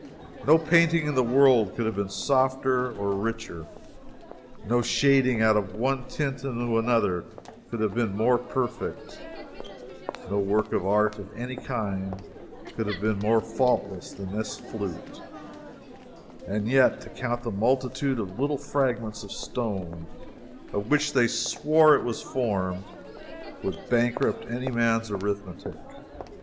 No painting in the world could have been softer or richer; no shading out of one tint into another could have been more perfect; no work of art of any kind could have been more faultless than this flute, and yet to count the multitude of little fragments of stone of which they swore it was formed would bankrupt any man's arithmetic!